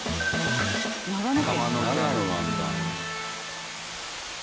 長野なんだ。